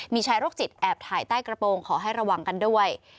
มีชายโรคจิตแอบถ่ายใต้กระโปรงขอให้ระวังกันด้วย